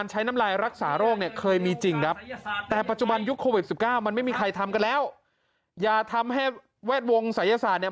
มันไม่มีใครทำกันแล้วยาทำให้แวดวงศัยรษาเนี้ย